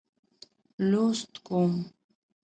لوست کوم.